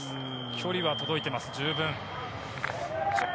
距離は届いています、十分。